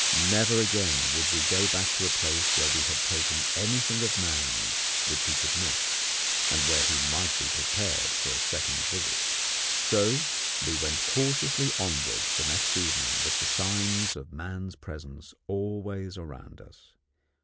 Never again would we go back to a place where we had taken anything of man's which he could miss, and where he might be prepared for a second visit. So we went cautiously onward the next evening, with the signs of man's presence always around us.